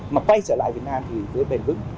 mà quay trở lại việt nam thì cứ bền vững